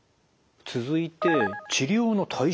続いて治療の対象。